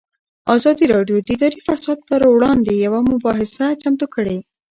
ازادي راډیو د اداري فساد پر وړاندې یوه مباحثه چمتو کړې.